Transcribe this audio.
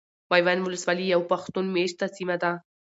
ميوند ولسوالي يو پښتون ميشته سيمه ده .